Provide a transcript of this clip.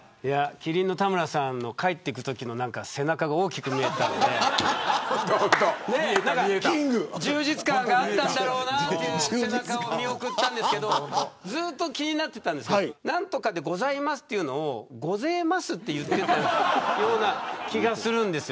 麒麟の田村さんの帰っていくときの背中が大きく見えたので充実感があったんだろうなという背中を見送ったんですけどずっと気になってたんですけど何とかでございますというのをごぜえますって言ってたような気がするんです。